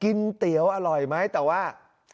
กินเตี๋ยวอร่อยมั้ยแต่ว่า